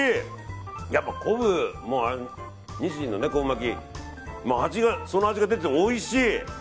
やっぱりニシンの昆布巻きの味が出てて、おいしい。